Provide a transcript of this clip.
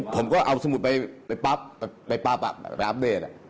ผมก็เอาสมุดไปปั๊บไปปั๊บไปอัปเดต